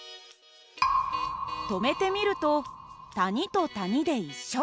止めて見ると谷と谷で一緒。